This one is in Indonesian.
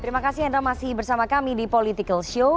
terima kasih anda masih bersama kami di political show